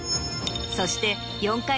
そして。